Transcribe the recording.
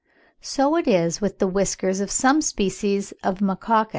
So it is with the whiskers of some species of Macacus (17.